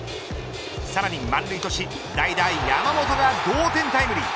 さらに満塁とし代打、山本が同点タイムリー。